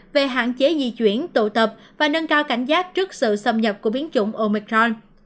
về hạn chế di chuyển tụ tập và nâng cao cảnh giác trước sự xâm nhập của biến chủng omicron